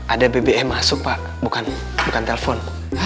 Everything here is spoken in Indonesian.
ada bbm masuk pak bukan telpon